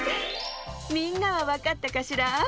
みんなはわかったかしら？